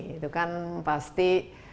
itu kan pasti